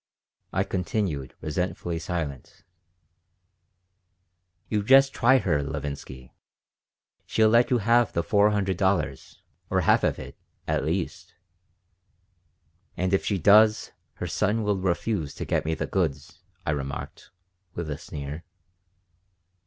I continued resentfully silent "You just try her, Levinsky. She'll let you have the four hundred dollars, or half of it, at least." "And if she does, her son will refuse to get me the goods," I remarked, with a sneer.